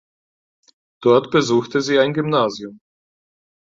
Dort besuchte sie ein Gymnasium.